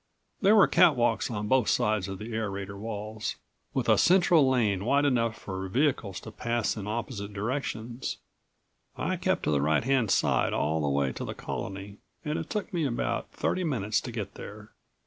There were catwalks on both sides of the aerator walls, with a central lane wide enough for vehicles to pass in opposite directions. I kept to the right hand side all the way to the Colony, and it took me about thirty minutes to get there.